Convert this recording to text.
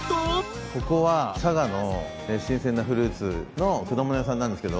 ここは佐賀の新鮮なフルーツの果物屋さんなんです。